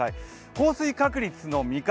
降水確率の見方